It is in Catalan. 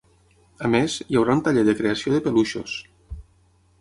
A més, hi haurà un taller de creació de peluixos.